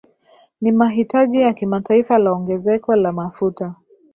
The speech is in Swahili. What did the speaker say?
Ni mahitaji ya kimataifa la ongezeko la mafuta